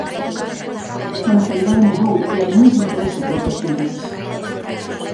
A mentalidade mudou e hai moito interese por outras culturas.